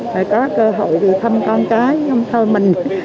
phải có cơ hội đi thăm con cái không thôi mình